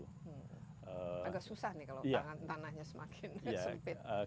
agak susah nih kalau tanahnya semakin sempit